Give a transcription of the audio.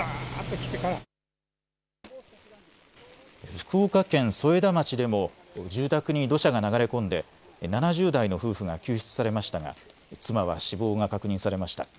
福岡県添田町でも住宅に土砂が流れ込んで７０代の夫婦が救出されましたが妻は死亡が確認されました。